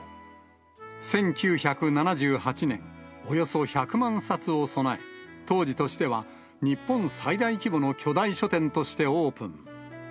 １９７８年、およそ１００万冊を備え、当時としては日本最大規模の巨大書店としてオープン。